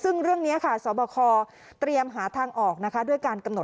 ซึ่งเรื่องนี้ค่ะสรบคอเตรียมหาทางออกนะคะ